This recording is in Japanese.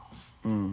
うん。